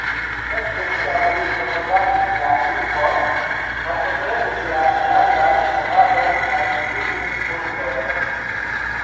Ekde tiam li propagandis la lingvon, partoprenis la landan movadon kaj gvidis kursojn.